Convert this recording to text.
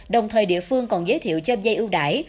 đồng thời địa phương còn giới thiệu cho vay ưu đại